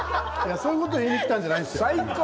そういうことを言いにきたわけじゃないですよ。